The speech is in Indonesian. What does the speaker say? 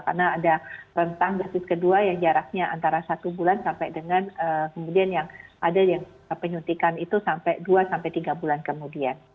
karena ada tentang dosis kedua yang jaraknya antara satu bulan sampai dengan kemudian yang ada yang penyuntikan itu sampai dua sampai tiga bulan kemudian